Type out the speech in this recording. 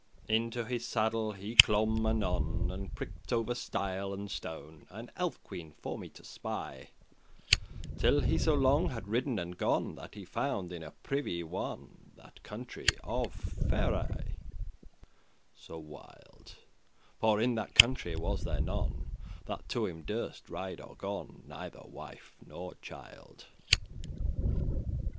<14> Into his saddle he clomb anon, And pricked over stile and stone An elf queen for to spy, Till he so long had ridden and gone, That he found in a privy wonne* *haunt The country of Faery, So wild; For in that country was there none That to him durste ride or gon, Neither wife nor child.